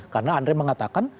karena andre mengatakan